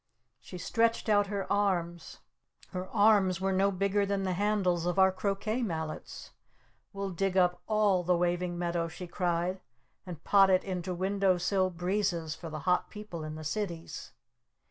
She stretched out her arms. Her arms were no bigger than the handles of our croquet mallets. "We'll dig up all the Waving Meadow," she cried. "And pot it into Window Sill Breezes for the hot people in the cities!"